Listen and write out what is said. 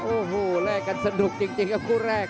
โอ้โหแลกกันสนุกจริงครับคู่แรก